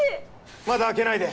まだ開けないで！